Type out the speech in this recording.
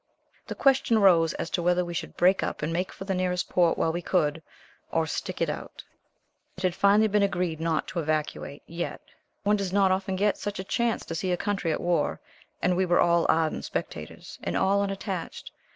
The question arose as to whether we should break up and make for the nearest port while we could, or "stick it out." It had been finally agreed not to evacuate yet. One does not often get such a chance to see a country at war, and we were all ardent spectators, and all unattached.